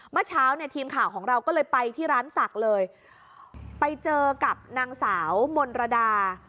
เมื่อเช้าเนี่ยทีมข่าวของเราก็เลยไปที่ร้านศักดิ์เลยไปเจอกับนางสาวมนรดา